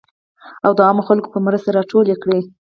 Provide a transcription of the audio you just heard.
او د عامو خلکو په مرسته راټول کړي .